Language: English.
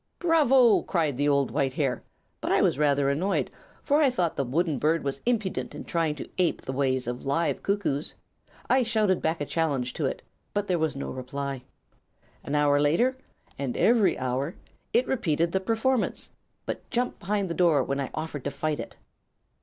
"'Bravo!' cried old white hair; but I was rather annoyed, for I thought the wooden bird was impudent in trying to ape the ways of live cuckoos. I shouted back a challenge to it, but there was no reply. An hour later, and every hour, it repeated the performance, but jumped behind the door when I offered to fight it.